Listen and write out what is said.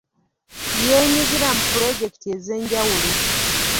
Yeenyigira mu pulojekiti ez'enjawulo.